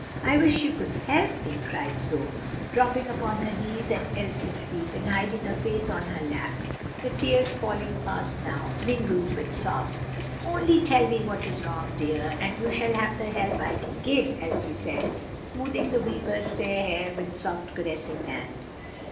I wish you could help me!" cried Zoe, dropping upon her knees at Elsie's feet, and hiding her face on her lap, the tears falling fast now, mingled with sobs. "Only tell me what is wrong, dear, and you shall have all the help I can give," Elsie said, smoothing the weeper's fair hair with soft, caressing hand.